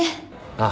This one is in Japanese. ああ。